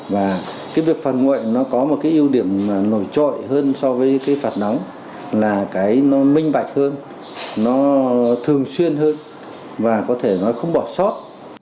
và cái việc phạt nguội nó có một cái ưu điểm nổi trội hơn so với cái phạt nóng là cái nó minh bạch hơn nó thường xuyên hơn và có thể nói không bỏ sót